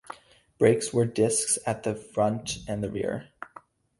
Brakes were discs at thefront and at the rear.